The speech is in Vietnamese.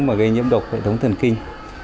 mà gây nhiễm độc hệ thống thần kinh